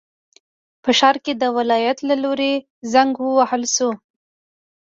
په ښار کې د ولایت له لوري زنګ ووهل شو.